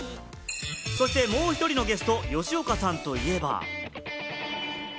そしてもう１人のゲスト、吉岡さんといえば。